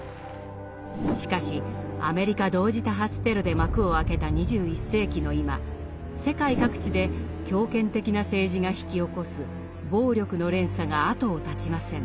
しかしアメリカ同時多発テロで幕を開けた２１世紀の今世界各地で強権的な政治が引き起こす暴力の連鎖が後を絶ちません。